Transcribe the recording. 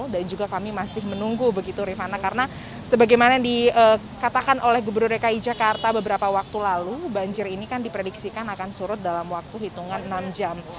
dan juga kami masih menunggu begitu rifana karena sebagaimana yang dikatakan oleh gubernur rki jakarta beberapa waktu lalu banjir ini kan diprediksikan akan surut dalam waktu hitungan enam jam